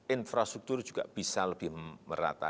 infrastruktur juga bisa lebih merata